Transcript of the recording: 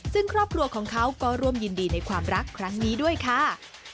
ซึ่งครอบครัวของเขาก็ร่วมยินดีในความรักครั้งนี้ด้วยค่ะ